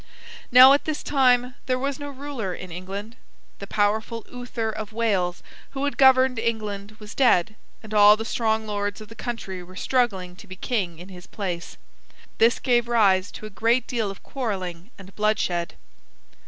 Now, at this time there was no ruler in England. The powerful Uther of Wales, who had governed England, was dead, and all the strong lords of the country were struggling to be king in his place. This gave rise to a great deal of quarreling and bloodshed.